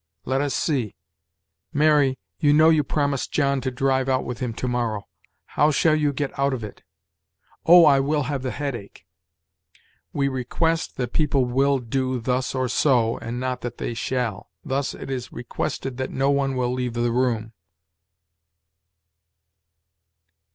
Let us see: "Mary, you know you promised John to drive out with him to morrow; how shall you get out of it?" "Oh, I will have the headache!" We request that people will do thus or so, and not that they shall. Thus, "It is requested that no one will leave the room."